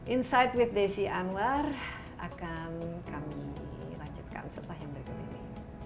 insight with desi anwar akan kami lanjutkan setelah yang berikut ini